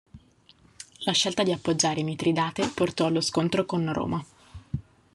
La scelta di appoggiare Mitridate portò allo scontro con Roma.